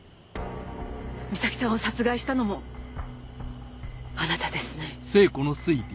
美咲さんを殺害したのもあなたですね。